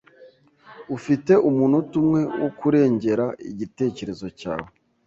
Ufite umunota umwe wo kurengera igitekerezo cyawe.